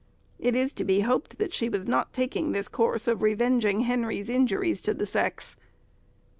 It is to be hoped that she was not taking this course of revenging Henry's injuries to the sex.